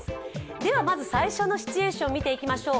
ではまず最初のシチュエーション見ていきましょう。